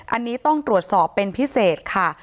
อันนี้ต้องตรวจสอบเป็นพิเศษค่ะ